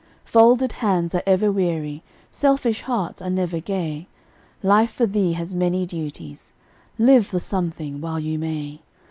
Folded hands are ever weary, Selfish hearts are never gay, Life for thee has many duties Live for something, while you may.